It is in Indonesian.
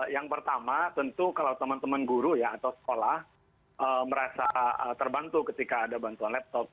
yang pertama tentu kalau teman teman guru ya atau sekolah merasa terbantu ketika ada bantuan laptop